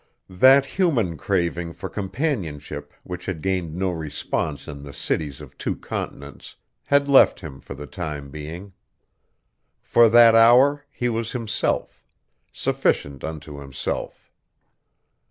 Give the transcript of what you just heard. That human craving for companionship which had gained no response in the cities of two continents had left him for the time being. For that hour he was himself, sufficient unto himself.